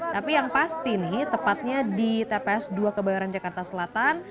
tapi yang pasti nih tepatnya di tps dua kebayoran jakarta selatan